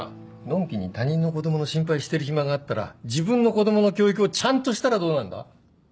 のんきに他人の子供の心配してる暇があったら自分の子供の教育をちゃんとしたらどうなんだ！